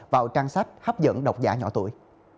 vào trang sách hấp dẫn đọc giả nhỏ tuổi